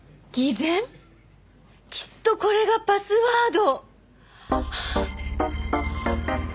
きっとこれがパスワード。